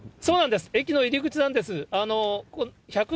そうなんです、駅の入り口なんです。